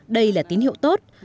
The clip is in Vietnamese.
đây là tín hiệu tốt